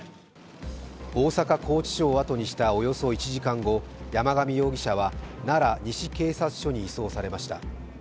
大阪拘置所を後にしたおよそ１時間後、山上容疑者は奈良西警察署に移送されました。